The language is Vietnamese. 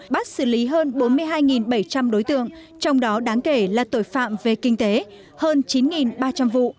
bắt xử lý hơn bốn mươi hai bảy trăm linh đối tượng trong đó đáng kể là tội phạm về kinh tế hơn chín ba trăm linh vụ